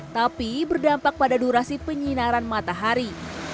tapi berdampak pada durasi penyinaran matahari